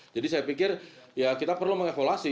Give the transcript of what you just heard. jadi saya pikir ya kita perlu mengevolasi